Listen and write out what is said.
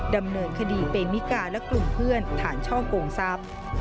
ดำเนินคดีเปมิกาและกลุ่มเพื่อนฐานช่อกงทรัพย์